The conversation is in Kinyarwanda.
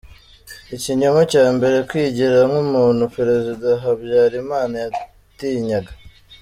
Ikinyoma cya mbere: kwigira nk’umuntu Perezida Habyalimana yatinyaga